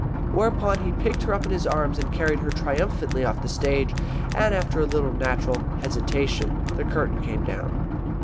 Whereupon he picked her up in his arms and carried her triumphantly off the stage ... and after a little natural hesitation the curtain came down.